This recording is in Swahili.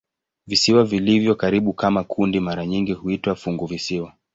Visiwa vilivyo karibu kama kundi mara nyingi huitwa "funguvisiwa".